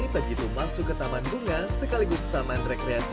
begitu masuk ke taman bunga sekaligus taman rekreasi